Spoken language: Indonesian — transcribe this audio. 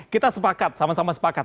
kita sepakat sama sama sepakat